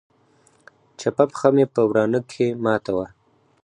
چپه پښه مې په ورانه کښې ماته وه.